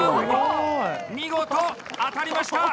見事、当たりました。